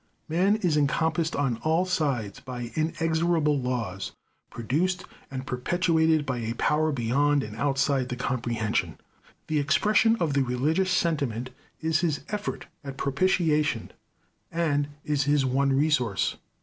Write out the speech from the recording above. Man is encompassed on all sides by inexorable laws, produced and perpetuated by a power beyond and outside the comprehension. The expression of the religious sentiment is his effort at propitiation, and is his one resource.